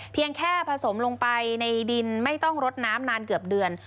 เพียงแค่ผสมลงไปในดินไม่ต้องรดน้ำนานเกือบเดือน